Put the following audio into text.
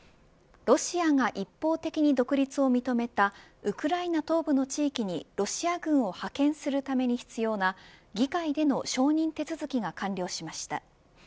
ロシアが一方的に独立を認めたウクライナ東部の地域にロシア軍を派遣するために必要な議会での承認手続きが完了しました。